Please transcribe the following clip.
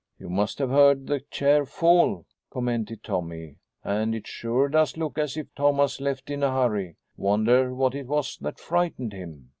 "You must have heard the chair fall," commented Tommy, "and it sure does look as if Thomas left in a hurry. Wonder what it was that frightened him?"